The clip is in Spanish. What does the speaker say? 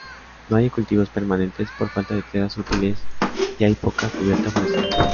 No hay cultivos permanentes por falta de tierras útiles y hay poca cubierta forestal.